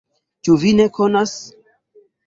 Ĉu vi ne konas?